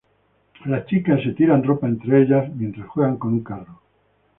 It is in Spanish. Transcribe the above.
Las chicas se tiran ropa entre todas mientras juegan con un carro.